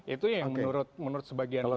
itu yang menurut sebagian publik